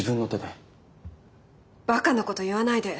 ばかなこと言わないで。